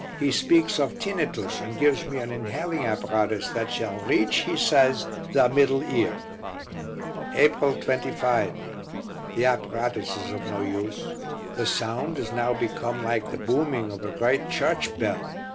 He speaks of tinnitus, and gives me an inhaling apparatus that shall reach, he says, the middle ear. April 25. The apparatus is of no use. The sound is now become like the booming of a great church bell.